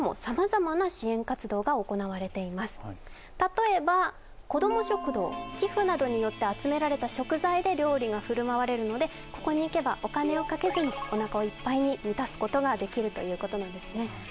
例えば子ども食堂寄付などによって集められた食材で料理が振る舞われるのでここに行けばお金をかけずにおなかをいっぱいに満たすことができるということなんですね